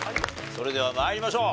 それでは参りましょう。